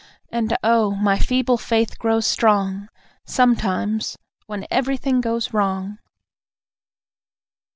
And oh! My feeble faith grows strong Sometimes, when everything goes wrong!